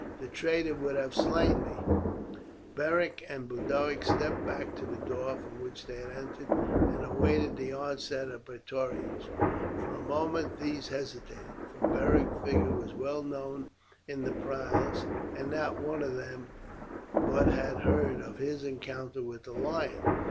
"The traitor would have slain me." Beric and Boduoc stepped back to the door by which they had entered, and awaited the onset of the Praetorians. For a moment these hesitated, for Beric's figure was well known in the palace, and not one of them but had heard of his encounter with the lion.